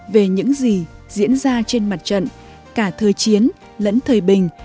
về những gì diễn ra trên mặt trận cả thời chiến lẫn thời bình